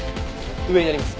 上になります。